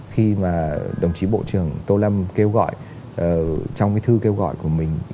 khi mà đồng chí bộ trưởng tô lâm kêu gọi trong cái thư kêu gọi của mình